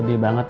sedih banget ya